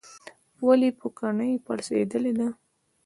ولې پوکڼۍ پړسیدلې ده؟